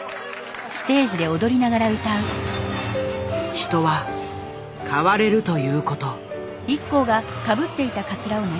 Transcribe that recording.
人は変われるという事。